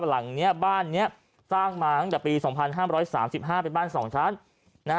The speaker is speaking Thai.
หลังนี้บ้านนี้สร้างมาตั้งแต่ปี๒๕๓๕เป็นบ้าน๒ชั้น